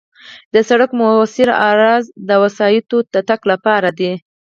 د سړک موثر عرض د وسایطو د تګ لپاره دی